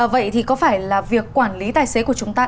vậy thì có phải là việc quản lý tài xế của chúng ta